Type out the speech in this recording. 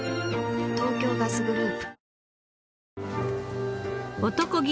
東京ガスグループ男気